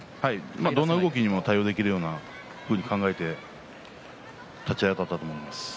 どんな動きにも対応できるようにと考えて立ち合いあたったと思います。